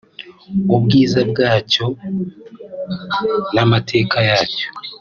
ubwiza bwacyo n’amateka yacyo